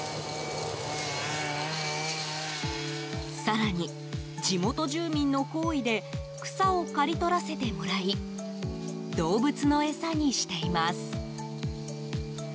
更に、地元住民の好意で草を刈りとらせてもらい動物の餌にしています。